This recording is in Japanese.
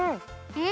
うん。